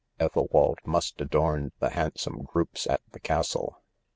Ethelwald must adorn the handsome groups at the castle.